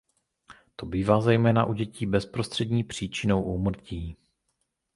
To bývá zejména u dětí bezprostřední příčinou úmrtí.